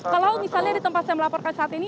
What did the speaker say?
kalau misalnya di tempat saya melaporkan saat ini